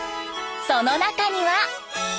その中には。